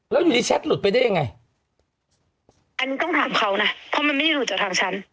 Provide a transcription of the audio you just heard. แล้วอยู่ในแชทหลุดไปได้ยังไงอันนี้ต้องถามเขานะเพราะมันไม่ได้หลุดจากทางฉัน